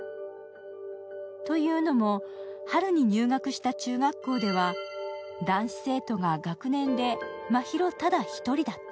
というのも、春に入学した中学校では男子生徒が学年で真宙ただ一人だった。